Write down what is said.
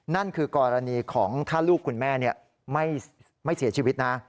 นั่นคือกรณีของถ้าลูกคุณแม่ไม่เสียชีวิตนะ